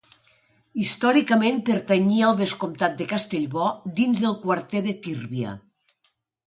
Històricament pertanyia al vescomtat de Castellbò, dins del quarter de Tírvia.